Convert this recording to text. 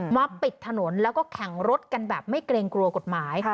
มาปิดถนนแล้วก็แข่งรถกันแบบไม่เกรงกลัวกฎหมาย